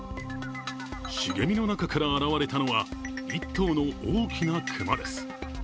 茂みの中から現れたのは１頭の大きな熊です。